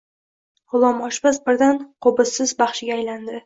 G‘ulom oshpaz birdan qo‘bizsiz baxshiga aylandi: